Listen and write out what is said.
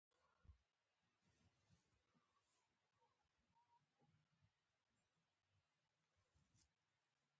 لرګی د چاپېریال دوست مواد دی.